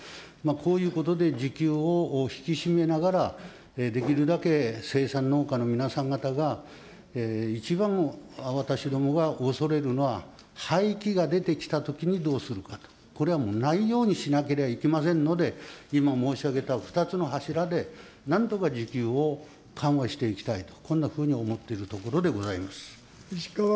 こういうことで、需給を引き締めながら、できるだけ生産農家の皆さん方が、一番、私どもが恐れるのは、廃棄が出てきたときにどうするかと、これはもうないようにしなければいけませんので、今申し上げた２つの柱で、なんとか需給を緩和していきたいと、こんなふうに思っているところでございます。